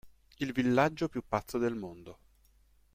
Il villaggio più pazzo del mondo